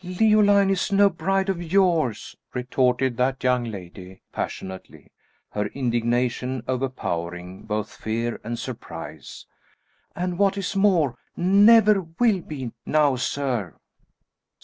"Leoline is no bride of yours!" retorted that young lady, passionately, her indignation overpowering both fear and surprise. "And, what is more, never will be! Now, sir!"